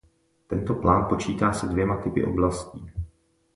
Tento plán počítá se dvěma typy oblastí.